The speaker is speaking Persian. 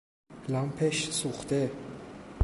لامپش سوخته